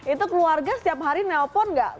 itu keluarga setiap hari nelpon gak